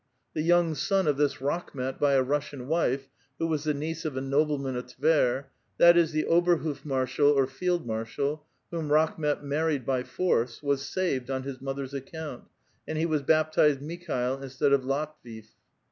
The young son of this Rakhmet by a Russian wife, who was the niece of a nobleman of Tver — that is, the oberhof marsJial or field marshal — whom Rakhmet married "by force, was saved on his mother's account, and he was ^baptized Mikhail instead of Latuif.